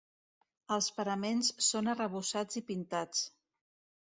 Els paraments són arrebossats i pintats.